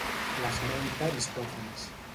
L'esmenta Aristòfanes.